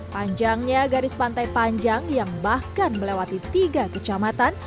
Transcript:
panjangnya garis pantai panjang yang bahkan melewati tiga kecamatan